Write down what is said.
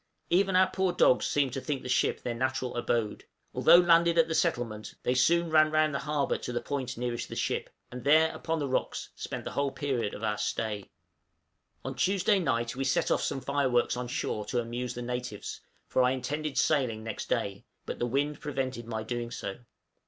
Even our poor dogs seemed to think the ship their natural abode; although landed at the settlement, they soon ran round the harbor to the point nearest the ship, and there, upon the rocks, spent the whole period of our stay. On Tuesday night we set off some fireworks on shore to amuse the natives, for I intended sailing next day, but the wind prevented my doing so.